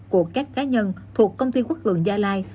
của các cá nhân thuộc công ty quốc cường gia lai